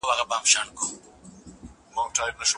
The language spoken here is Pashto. آیا تاسو د داستان په زمانه پوهېږئ؟